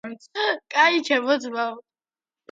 კაი ჩემო ძმაო